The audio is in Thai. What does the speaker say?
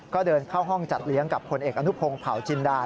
ก็เดินเข้าห้องจัดเลี้ยงกับผลเอกอนุพงศ์เผาจินดา